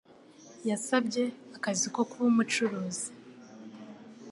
Yasabye akazi ko kuba umucuruzi.